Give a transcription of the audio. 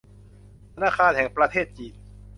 ธนาคารแห่งประเทศจีน